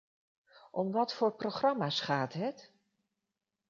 Om wat voor programma' s gaat het?